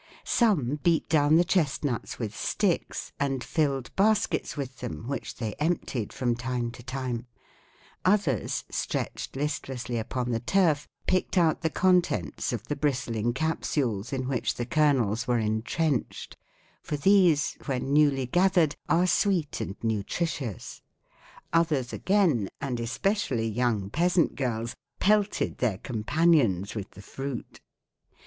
Some beat down the chestnuts with sticks and filled baskets with them, which they emptied from time to time; others, stretched listlessly upon the turf, picked out the contents of the bristling capsules in which the kernels were entrenched, for these, when newly gathered, are sweet and nutritious; others again, and especially young peasant girls, pelted their companions with the fruit."